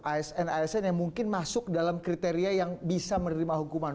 asn asn yang mungkin masuk dalam kriteria yang bisa menerima hukuman